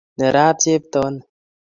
Nerat chepto ni